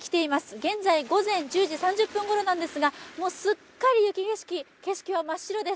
現在午前１０時３０分ごろなんですが、もうすっかり雪景色景色は真っ白です。